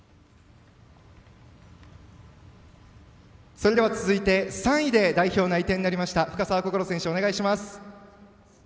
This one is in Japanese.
それでは続いて３位で代表内定になりました深沢こころ選手、お願いします。